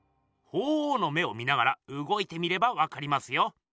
鳳凰の目を見ながらうごいてみればわかりますよ。